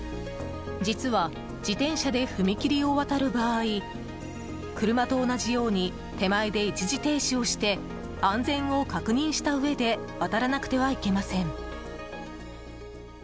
実は自転車で踏切を渡る場合車と同じように手前で一時停止をして安全を確認したうえで渡らなくてはいけません。